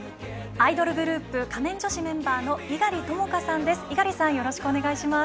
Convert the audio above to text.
アイドルグループ仮面女子メンバーの猪狩ともかさんです。